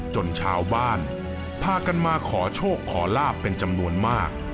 จนชาวบ้านพากันมาขอโชคขอลาบเป็นจำนวนมาก